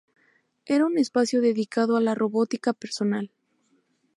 Era un espacio dedicado a la robótica personal.